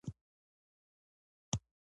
آیا کاناډا د حیواناتو ساتنه نه کوي؟